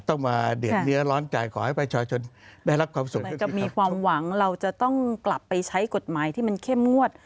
ต้องมาเดือดเนื้อร้อนใจขอให้ประชาชนได้รับความสุขเหมือนกับมีความหวังเราจะต้องกลับไปใช้กฎหมายที่มันเข้มงวด